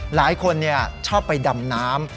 หลายคนชอบไปดำน้ำ